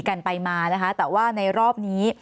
กันไปมานะคะแต่ว่าในรอบนี้